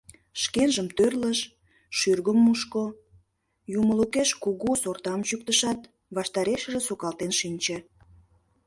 Шкенжым тӧрлыш, шӱргым мушко, юмылукеш кугу сортам чӱктышат, ваштарешыже сукалтен шинче.